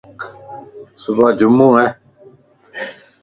صبح جمع ائي